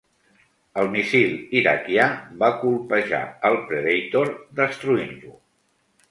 El míssil iraquià va colpejar el Predator, destruint-lo.